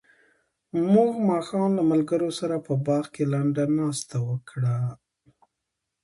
موږ ماښام له ملګرو سره په باغ کې لنډه ناسته وکړه.